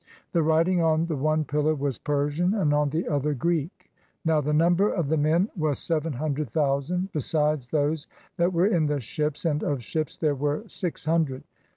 The writing on the one pillar was Persian and on the other Greek. Now the number of the men was seven hundred thousand, besides those that were in the ships, and of ships there were six hundred.